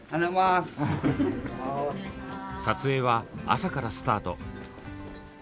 撮影は朝からスタート。